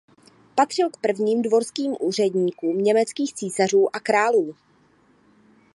Patřil k prvním dvorským úředníkům německých císařů a králů.